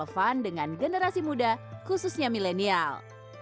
dan tetap relevan dengan generasi muda khususnya milenial